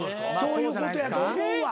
そういうことやと思うわ。